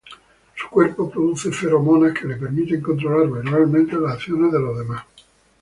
Su cuerpo produce feromonas que le permiten controlar verbalmente las acciones de los demás.